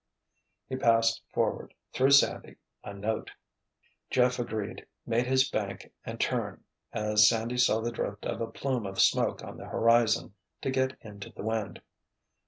He passed forward, through Sandy, a note. Jeff agreed, made his bank and turn, as Sandy saw the drift of a plume of smoke on the horizon, to get into the wind.